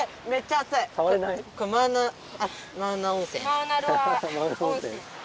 マウナロア温泉。